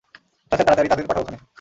আচ্ছা স্যার তাড়াতাড়ি তাদের পাঠাও এখানে।